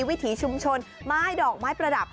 วิถีชุมชนไม้ดอกไม้ประดับ